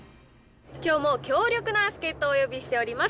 きょうも強力な助っ人をお呼びしております。